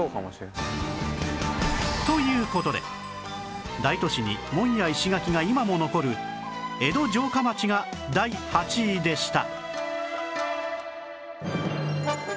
という事で大都市に門や石垣が今も残る江戸城下町が第８位でした